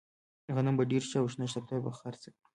غنم به ډېر شي او شنه شفتله به خرڅه کړو.